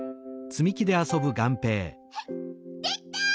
できた！